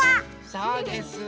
そうです。